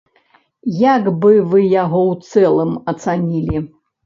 Як бы вы яго ў цэлым ацанілі?